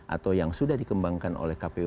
atau yang sudah dikembangkan oleh kpu